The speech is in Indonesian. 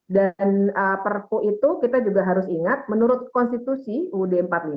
dan perpu itu kita juga harus ingat menurut konstitusi ud empat puluh lima